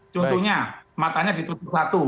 contohnya matanya ditutup satu